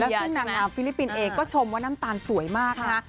ซึ่งนางงามฟิลิปปินส์เองก็ชมว่าน้ำตาลสวยมากนะคะ